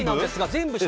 全部？